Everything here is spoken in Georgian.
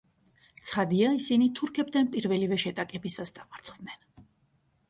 ცხადია ისინი თურქებთან პირველივე შეტაკებისას დამარცხდნენ.